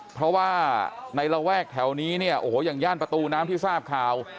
เพราะว่าในระแวกแถวนี้เนี่ยโอ้โหอย่างย่านประตูน้ำที่ทราบข่าว